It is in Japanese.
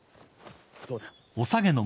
そうだ。